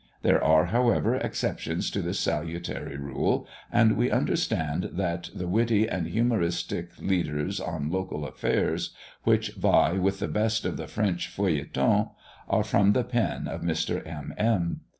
There are, however, exceptions to this salutary rule; and we understand that the witty and humouristic leaders on local affairs, which, vie with the best of the French feuilletons, are from the pen of Mr. M. M.